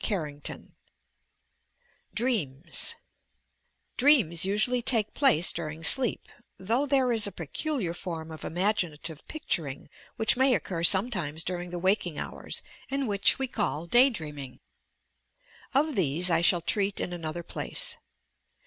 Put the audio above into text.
CHAPTER XV DBGAHS i Dreams usually take place during sleep, though there is a peculiar form of imaginative picturing which may occur Rometimefi during the waking hours and which we call "day dreaming." Of these I shall treat in another place.